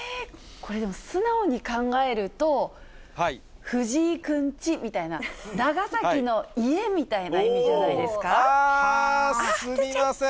これでも、素直に考えると、藤井くんちみたいな、長崎の家みたいな意味じゃないであー、すみません。